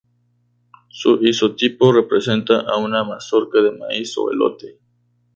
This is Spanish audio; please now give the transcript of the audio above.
Su isotipo representa a una mazorca de maíz o elote.